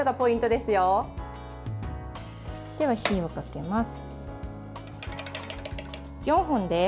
では、火にかけます。